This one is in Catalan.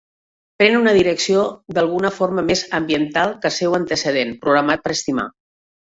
Pren una direcció d'alguna forma més ambiental que el seu antecedent, Programat per Estimar.